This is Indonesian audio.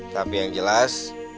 tapi yang jelas